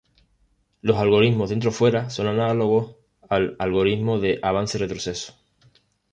Los algoritmos dentro-fuera son análogos al algoritmo de avance-retroceso.